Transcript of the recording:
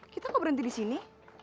kita kok berhenti disini